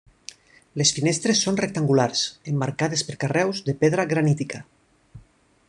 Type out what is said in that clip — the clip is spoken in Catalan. Les finestres són rectangulars, emmarcades per carreus de pedra granítica.